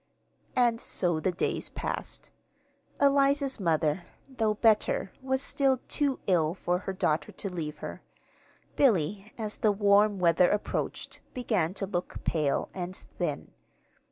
And so the days passed. Eliza's mother, though better, was still too ill for her daughter to leave her. Billy, as the warm weather approached, began to look pale and thin.